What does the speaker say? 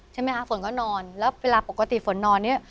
ใช่ไหมคะฝนก็นอนแล้วเวลาปกติฝนนอนเนี่ย